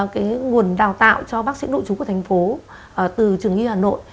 cái nguồn đào tạo cho bác sĩ nội chú của thành phố từ trường y hà nội